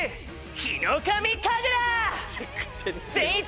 ヒノカミ神楽善逸